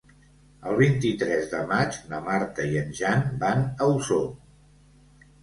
El vint-i-tres de maig na Marta i en Jan van a Osor.